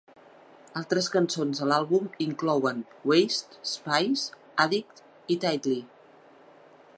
Altres cançons de l'àlbum inclouen "Waste", "Spies", "Addict" i "Tightly".